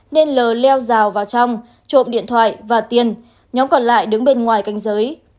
nên l leo rào vào trong trộm điện thoại và tiền nhóm còn lại đứng bên ngoài canh giới